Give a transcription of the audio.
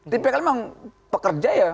tipikalnya emang pekerja ya